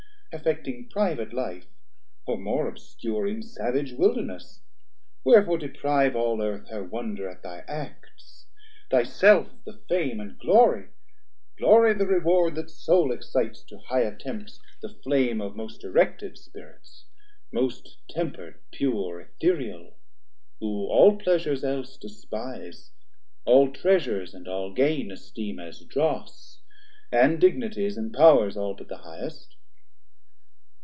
Affecting private life, or more obscure In savage Wilderness, wherefore deprive All Earth her wonder at thy acts, thy self The fame and glory, glory the reward That sole excites to high attempts the flame Of most erected Spirits, most temper'd pure Aetherial, who all pleasures else despise, All treasures and all gain esteem as dross, And dignities and powers all but the highest?